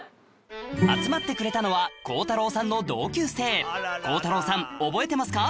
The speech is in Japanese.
集まってくれたのは鋼太郎さんの同級生鋼太郎さん覚えてますか？